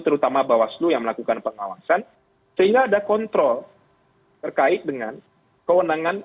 terutama bawaslu yang melakukan pengawasan sehingga ada kontrol terkait dengan kewenangan